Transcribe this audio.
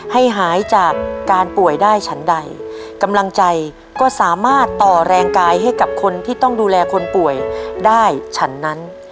ให้หายจากการป่วยได้ฉันใดกำลังใจก็สามารถต่อแรงกายให้กับคนที่ต้องดูแลคนป่วยได้ฉันนั้น